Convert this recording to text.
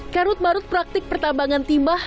karut marut praktik pertambangan timah